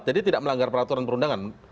jadi tidak melanggar peraturan perundangan